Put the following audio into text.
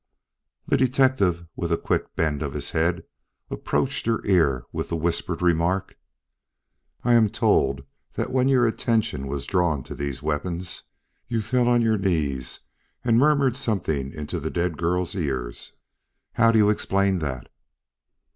The detective, with a quick bend of his head, approached her ear with the whispered remark: "I am told that when your attention was drawn to these weapons, you fell on your knees and murmured something into the dead girl's ears. How do you explain that?"